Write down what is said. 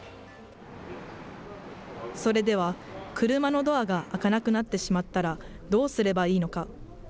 それでは、車のドアが開かなくなってしまったらどうすればいいのか。